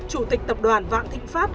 chủ tịch tập đoàn vạn thịnh pháp